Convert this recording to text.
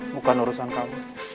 bukan urusan kamu